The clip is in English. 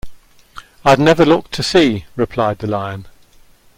I've never looked to see," replied the Lion.